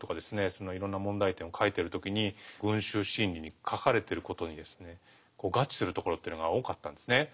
そのいろんな問題点を書いてる時に「群衆心理」に書かれてることに合致するところというのが多かったんですね。